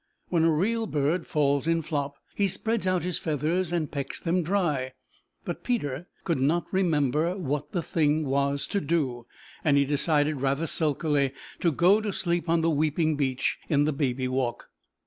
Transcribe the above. When a real bird falls in flop, he spreads out his feathers and pecks them dry, but Peter could not remember what was the thing to do, and he decided, rather sulkily, to go to sleep on the weeping beech in the Baby Walk.